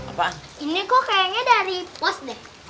ayah ini kok kayaknya dari pos deh